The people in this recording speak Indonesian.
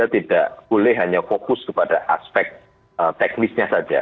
tidak boleh hanya fokus kepada aspek teknisnya saja